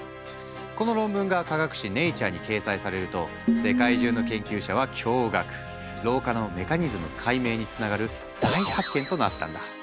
この論文が科学誌「Ｎａｔｕｒｅ」に掲載されると老化のメカニズム解明につながる大発見となったんだ。